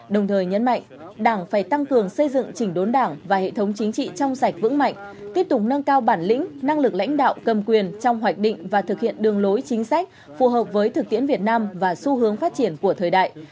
đồng thời nhấn mạnh đảng phải tăng cường xây dựng chỉnh đốn đảng và hệ thống chính trị trong sạch vững mạnh tiếp tục nâng cao bản lĩnh năng lực lãnh đạo cầm quyền trong hoạch định và thực hiện đường lối chính sách phù hợp với thực tiễn việt nam và xu hướng phát triển của thời đại